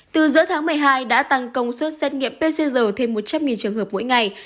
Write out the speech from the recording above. từ giữa tháng một mươi hai đã tăng công suất xét nghiệm pcr thêm một trăm linh trường hợp mỗi ngày